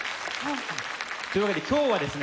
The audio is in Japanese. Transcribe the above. というわけで今日はですね